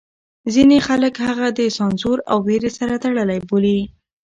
ځینې خلک هغه د سانسور او وېرې سره تړلی بولي.